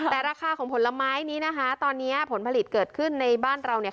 แต่ราคาของผลไม้นี้นะคะตอนนี้ผลผลิตเกิดขึ้นในบ้านเราเนี่ย